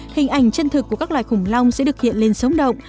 hình ảnh chân thực của các loài khủng long sẽ được hiện lên sống động